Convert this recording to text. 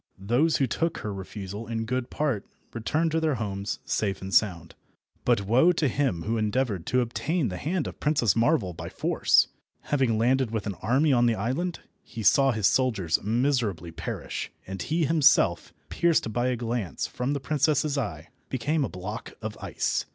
Those who took her refusal in good part returned to their homes safe and sound, but woe to him who endeavoured to obtain the hand of Princess Marvel by force! Having landed with an army on the island, he saw his soldiers miserably perish, and he himself, pierced by a glance from the princess's eye, became a block of ice.